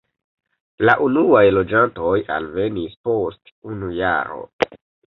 La unuaj loĝantoj alvenis post unu jaro.